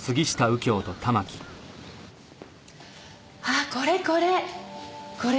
あこれこれ！